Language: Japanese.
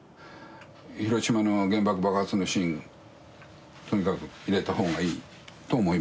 広島の原爆爆発のシーンとにかく入れたほうがいいと思いますというね。